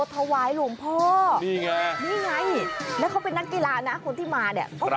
ถวายหลวงพ่อนี่ไงนี่ไงแล้วเขาเป็นนักกีฬานะคนที่มาเนี่ย